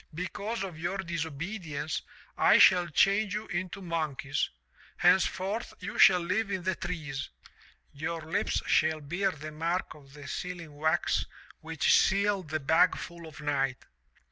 Because of your disobedience I shall change you into monkeys. Hence forth you shall live in the trees. Your lips shall bear the mark of the sealing wax which sealed the bag full of night.